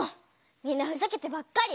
みんなふざけてばっかり！